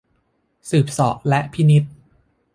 สืบเสาะและพินิจ